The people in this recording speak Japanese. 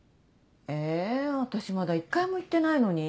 え私まだ１回も行ってないのに。